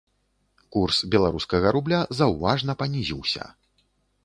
Курс беларускага рубля заўважна панізіўся.